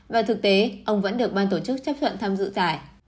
và thực tế ông vẫn được ban tổ chức chấp thuận tham dự giải